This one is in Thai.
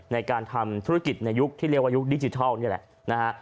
ในการทำธุรกิจในยุคที่เรียกว่ายุคดิจิทัลนี่แหละนะฮะ